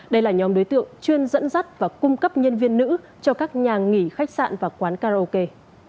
đây là nhóm đối tượng chuyên dẫn dắt và cung cấp nhân viên nữ cho các nhà nghỉ khách sạn và quán karaoke